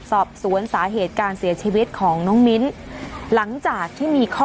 สอบสวนสาเหตุการเสียชีวิตของน้องมิ้นหลังจากที่มีข้อ